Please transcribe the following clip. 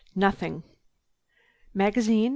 "Nothing." "Magazine?